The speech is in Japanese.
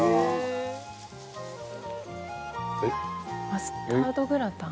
「マスタードグラタン？」